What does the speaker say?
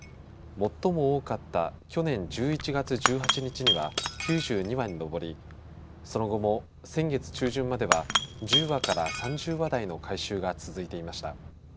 最も多かった去年１１月１８日には９２羽に上りその後も、先月中旬までは１０羽から３０羽台の回収が続いていました。